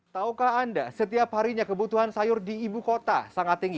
taukah anda setiap harinya kebutuhan sayur di ibu kota sangat tinggi